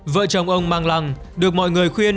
vợ chồng ông mang lăng được mọi người khuyên